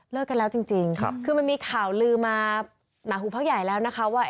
กันแล้วจริงคือมันมีข่าวลือมาหนาหูพักใหญ่แล้วนะคะว่า